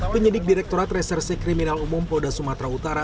penyidik direkturat reserse kriminal umum polda sumatera utara